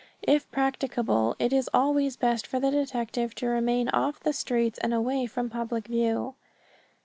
If practicable it is always best for the detective to remain off the streets and away from public view.